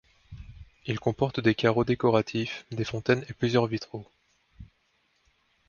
Il comporte des carreaux décoratifs, des fontaines et plusieurs vitraux.